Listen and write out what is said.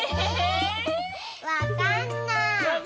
⁉わかんない。